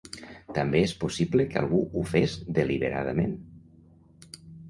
També és possible que algú ho fes deliberadament.